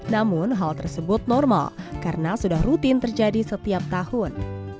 namun hal tersebut normal karena sudah rutin terjadi setiap tahun